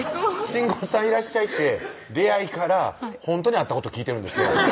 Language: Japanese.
新婚さんいらっしゃい！って出会いからほんとにあったこと聞いてるんですよ